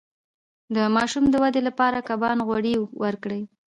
د ماشوم د ودې لپاره د کبانو غوړي ورکړئ